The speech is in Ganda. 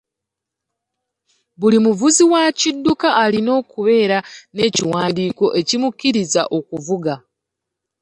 Buli muvuzi wa kidduka alina okubeera n'ekiwandiiko ekimukkiriza okuvuga.